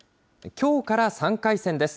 きょうから３回戦です。